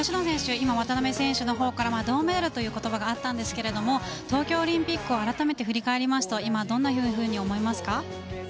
今、渡辺選手の方からは銅メダルという言葉があったんですが東京オリンピックをあらためて振り返りますと今、どんなふうに思いますか？